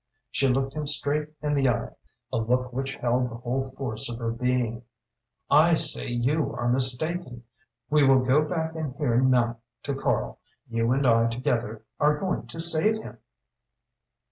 She looked him straight in the eye a look which held the whole force of her being. "I say you are mistaken. We will go back in here now to Karl. You and I together are going to save him."